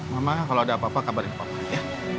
mama kalau ada apa apa kabarin papa ya